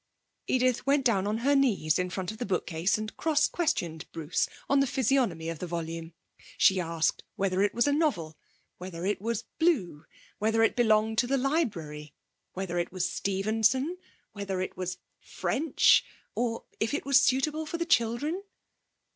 Edith went down on her knees in front of the bookcase and cross questioned Bruce on the physiognomy of the volume. She asked whether it was a novel, whether it was blue, whether it belonged to the library, whether it was Stevenson, whether it was French, or if it was suitable for the children.